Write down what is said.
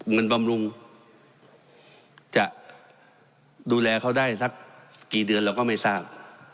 บำรุงจะดูแลเขาได้สักกี่เดือนเราก็ไม่ทราบ